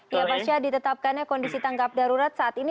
ya pak syah ditetapkan kondisi tanggap darurat saat ini